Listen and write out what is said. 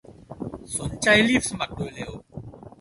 สนใจรีบสมัครโดยเร็ว